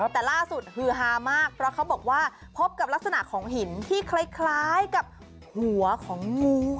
แต่ล่าสุดฮือฮามากเพราะเขาบอกว่าพบกับลักษณะของหินที่คล้ายกับหัวของงู